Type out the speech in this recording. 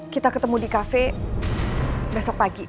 kita ketemu di kafe besok pagi